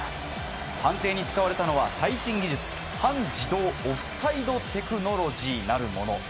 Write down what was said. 判定に使われたのは最新技術半自動オフサイドテクノロジーなるもの。